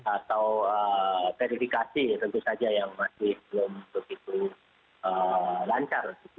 atau verifikasi tentu saja yang masih belum begitu lancar